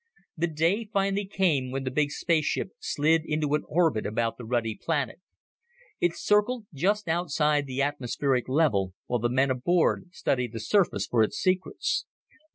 The day finally came when the big spaceship slid into an orbit about the ruddy planet. It circled just outside the atmospheric level while the men aboard studied the surface for its secrets.